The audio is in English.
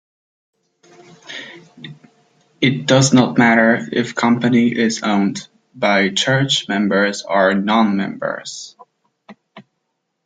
It does not matter if company is owned by church members or non-members.